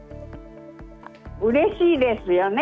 うれしいですよね。